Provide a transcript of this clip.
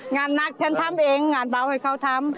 งานนักฉันทำเองงานเบาให้เขาทำ